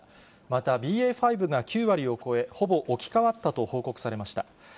またＢＡ．５が９割を超え、ほぼ置き換わったと報告されました。